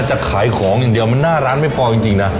จะขายของอย่างเดียวมันหน้าร้านไม่พอจริงนะ